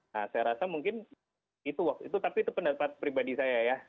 nah saya rasa mungkin itu waktu itu tapi itu pendapat pribadi saya ya